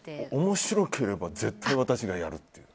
面白ければ絶対私がやるっていう？